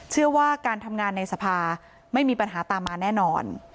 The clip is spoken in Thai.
เชื่อว่าการทำงานในสภาไม่มีปัญหาตามมาแน่นอน